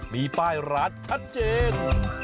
มีป้ายร้านชัดเจน